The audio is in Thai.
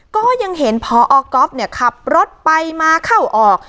ก็ยังเห็นพอก๊อฟเนี่ยขับรถไปมาเข้าออก